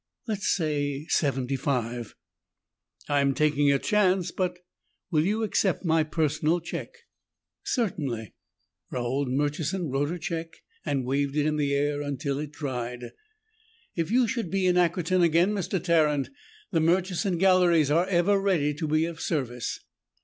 "Let's say seventy five?" "I'm taking a chance but Will you accept my personal check?" "Certainly." Raold Murchison wrote a check and waved it in the air until it dried. "If you should be in Ackerton again, Mr. Tarrant, the Murchison Galleries are ever ready to be of service."